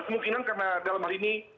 kemungkinan karena dalam hal ini